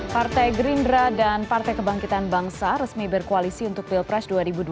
partai gerindra dan partai kebangkitan bangsa resmi berkoalisi untuk pilpres dua ribu dua puluh